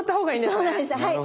そうなんですはい。